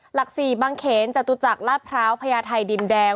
หลัก๔บางเขนจตุจักรลาดพร้าวพญาไทยดินแดง